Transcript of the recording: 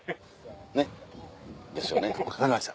ねっですよね。